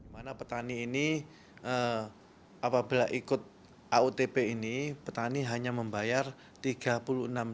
mana petani ini apabila ikut autp ini petani hanya membayar rp tiga puluh enam triliun